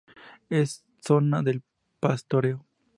Es zona de pastoreo.